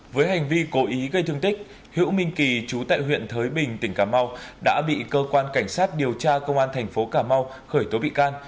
với hành vi cố ý gây thương tích hiễu minh kỳ chú tại huyện thới bình tỉnh cà mau đã bị cơ quan cảnh sát điều tra công an thành phố cà mau khởi tố bị can